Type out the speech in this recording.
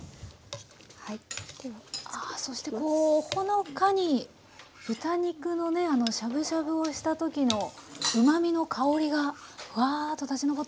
あそしてこうほのかに豚肉のねしゃぶしゃぶをしたときのうまみの香りがふわっと立ちのぼってますね。